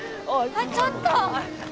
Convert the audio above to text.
あっちょっと！